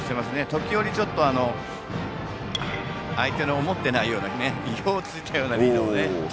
時折、相手の思っていないような意表を突いたようなリードをね。